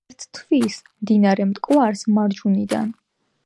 ერთვის მდინარე მტკვარს მარჯვნიდან.